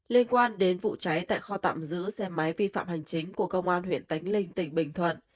liên quan đến vụ cháy tại kho tạm giữ xe máy vi phạm hành chính của công an huyện tánh linh tỉnh bình thuận